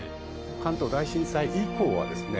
関東大震災以降はですね